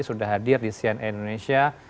sudah hadir di cnn indonesia